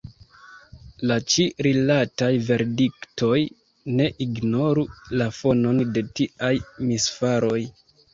La ĉi-rilataj verdiktoj ne ignoru la fonon de tiaj misfaroj.